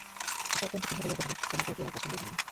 আশা অত্যন্ত ক্ষুণ্ন হইয়া কহিল, তোমার কাউকে আর পছন্দই হয় না।